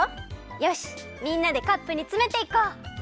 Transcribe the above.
よしみんなでカップにつめていこう！